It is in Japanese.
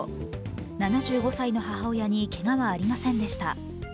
７５歳の母親にけがはありませんでした。